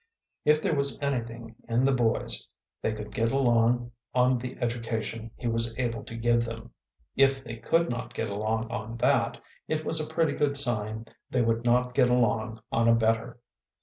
If there was anything in the boys, they could get along on the education he was able to give them. If they could not get along on that, it was a pretty good sign they would not get along on a better.